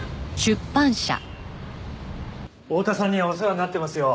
大多さんにはお世話になってますよ。